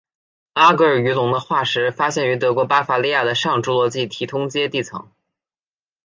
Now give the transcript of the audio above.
阿戈尔鱼龙的化石发现于德国巴伐利亚的上侏罗纪提通阶地层。